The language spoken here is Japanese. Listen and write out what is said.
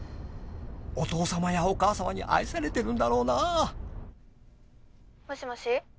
お父さまやお母さまに愛されてるんだろうなもしもし？